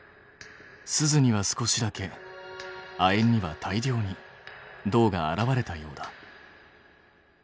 スズには少しだけ亜鉛には大量に銅が現れたようだ。